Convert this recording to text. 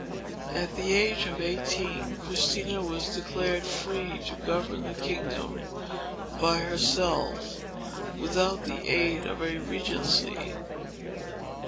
At the age of eighteen, Christina was declared free to govern the kingdom by herself, without the aid of a regency.